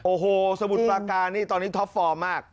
โอ้โหสมุทรปราการนี่ตอนนี้ท็อปฟอร์มมาก